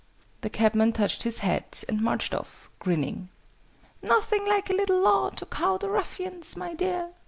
The cabman touched his hat, and marched off, grinning. "Nothing like a little Law to cow the ruffians, my dear!"